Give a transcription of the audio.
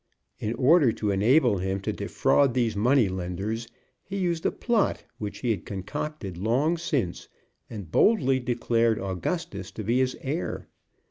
In order to enable him to defraud these money lenders he used a plot which he had concocted long since, and boldly declared Augustus to be his heir.